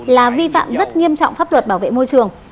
là vi phạm rất nghiêm trọng pháp luật bảo vệ môi trường